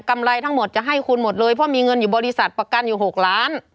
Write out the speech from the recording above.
ไรทั้งหมดจะให้คุณหมดเลยเพราะมีเงินอยู่บริษัทประกันอยู่๖ล้าน